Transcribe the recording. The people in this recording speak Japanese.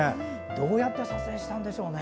どうやって撮影したんでしょうね。